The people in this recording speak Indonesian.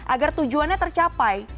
agar tujuannya tercapai